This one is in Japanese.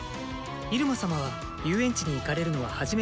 入間様は遊園地に行かれるのは初めてですか？